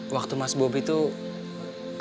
waktu mas bobby tuh